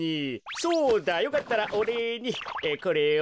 そうだよかったらおれいにこれを。